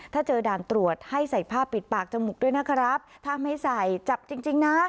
ถ้าเจอด่านตรวจให้ใส่ผ้าปิดปากจมูกด้วยนะครับถ้าไม่ใส่จับจริงจริงนะ